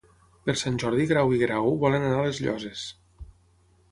Per Sant Jordi en Grau i en Guerau volen anar a les Llosses.